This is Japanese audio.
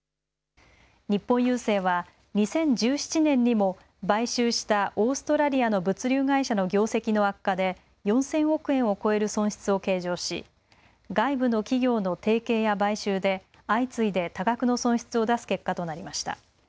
日本郵政は２０１７年にも買収したオーストラリアの物流会社の業績の悪化で４０００億円を超える損失を計上し外部の企業の提携や買収で相次いで多額の損失を出す結果となりました。